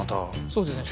そうですね。